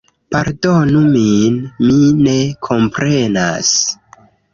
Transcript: Pardonu min, mi ne komprenas